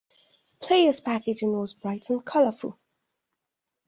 Players packaging was bright and colourful.